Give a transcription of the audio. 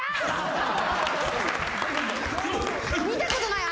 見たことない。